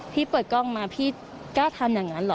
เปิดกล้องมาพี่กล้าทำอย่างนั้นเหรอ